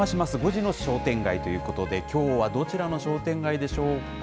５時の商店街ということで、きょうはどちらの商店街でしょうか。